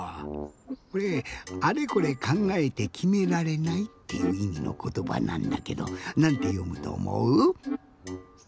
これ「あれこれかんがえてきめられない」っていういみのことばなんだけどなんてよむとおもう？